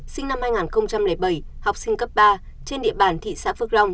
sinh năm hai nghìn bảy học sinh cấp ba trên địa bàn thị xã phước long